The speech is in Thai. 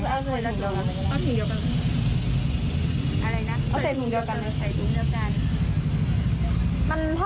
มัน๑๘๐ที่แค่๑๔๐ลดไป๔๐บาท